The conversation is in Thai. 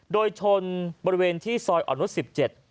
โดยชนบริเวณที่ซอยออนุสสิบเจ็ด